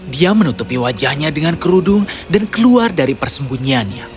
dia menutupi wajahnya dengan kerudung dan keluar dari persembunyiannya